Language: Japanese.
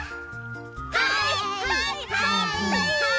はいはいはいはい！